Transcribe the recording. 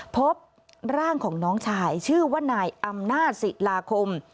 พบร่างของน้องค์ชายชื่อว่าไนรอสิลาคม